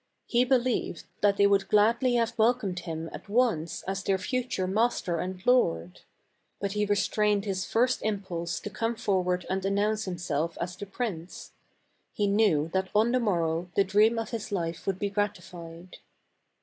He be lieved that they would gladly have welcomed him at once as their future master and lord. But he restrained his first impulse to come for ward and announce himself as the prince; he knew that on the morrow the dream of his life would be gratified.